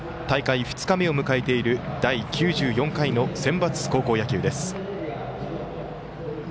大会２日目を迎えている第９４回のセンバツ高校野球です。